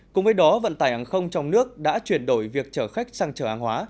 cùng với đó vận tải hàng không trong nước đã chuyển đổi việc chở khách sang chở hàng hóa